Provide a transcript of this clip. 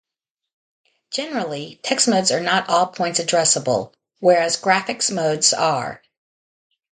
Generally, text modes are not all-points-addressable, whereas graphics modes are.